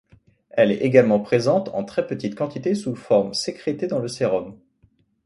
Elle est également présente en très petites quantités sous forme sécrétée dans le sérum.